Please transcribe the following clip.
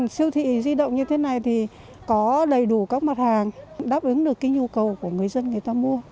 siêu thị di động như thế này thì có đầy đủ các mặt hàng đáp ứng được cái nhu cầu của người dân người ta mua